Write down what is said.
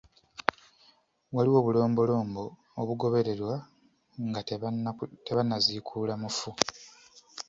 Waliwo obulombolombo obugobererwa nga tebannaziikula mufu.